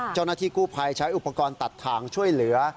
เจ้าหน้าที่กู้ภัยใช้อุปกรณ์ตัดทางช่วยเหลือ